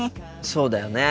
そうだよね。